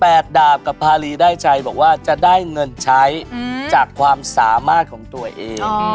ดาบกับพารีได้ชัยบอกว่าจะได้เงินใช้จากความสามารถของตัวเอง